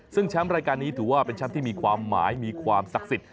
ซึ่งแชมป์รายการนี้ถือว่าเป็นแชมป์ที่มีความหมายมีความศักดิ์สิทธิ